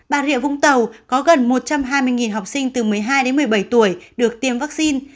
bà rịa vũng tàu có gần một trăm hai mươi học sinh từ một mươi hai đến một mươi bảy tuổi được tiêm vaccine